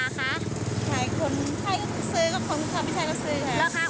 ขายให้คนท่องเที่ยวซื้อคนท่องเที่ยวท่องเที่ยวซื้อค่ะ